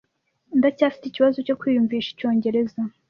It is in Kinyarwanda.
Ndacyafite ikibazo cyo kwiyumvisha icyongereza.